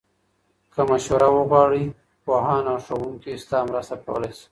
که مشوره وغواړې، پوهان او ښوونکي ستا مرسته کولای شي.